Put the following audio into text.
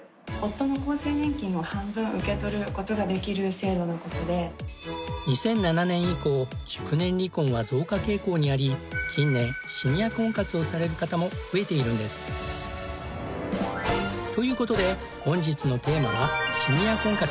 今度は２００７年以降熟年離婚は増加傾向にあり近年シニア婚活をされる方も増えているんです。という事で本日のテーマはシニア婚活。